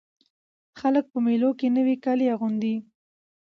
خلک په مېلو کښي نوي کالي اغوندي.